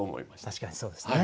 確かにそうですね。